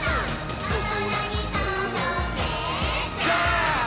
「おそらにとどけジャンプ！！」